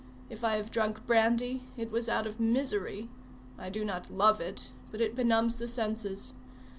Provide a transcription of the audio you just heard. If I have drunk brandy, it was out of misery. I do not love it; but it benumbs the senses.